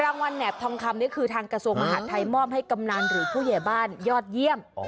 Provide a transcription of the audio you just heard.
แหนบทองคำนี้คือทางกระทรวงมหาดไทยมอบให้กำนันหรือผู้ใหญ่บ้านยอดเยี่ยม